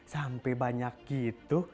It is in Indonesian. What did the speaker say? sampai banyak gitu